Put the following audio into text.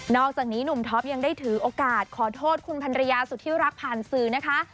อกจากนี้หนุ่มท็อปยังได้ถือโอกาสขอโทษคุณพันรยาสุธิรักผ่านสื่อนะคะ